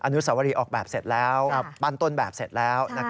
อนุสวรีออกแบบเสร็จแล้วปั้นต้นแบบเสร็จแล้ว